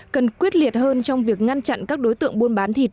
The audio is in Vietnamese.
cần quyết liệt hơn trong việc ngăn chặn các đối tượng buôn bán thịt